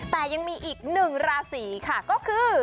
แต่ยังมีอีก๑ราศรีค่ะก็คือ